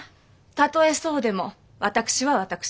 たとえそうでも私は私。